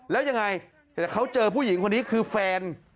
แล้วยังไงเขาเจอผู้หญิงคนนี้คือแฟน